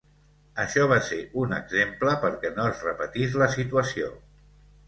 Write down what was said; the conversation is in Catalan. Això va ser un exemple perquè no es repetís la situació.